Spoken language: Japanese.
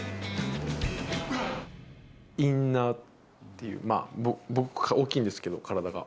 インナーっていう、僕、大きいんですけど、体が。